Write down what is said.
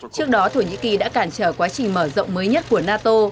trước đó thổ nhĩ kỳ đã cản trở quá trình mở rộng mới nhất của nato